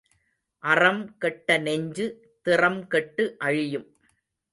அறம் கெட்ட நெஞ்சு திறம்கெட்டு அழியும்.